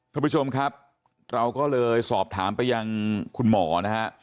ท่านผู้ชมครับเราก็เลยสอบถามไปยังคุณหมอนะฮะ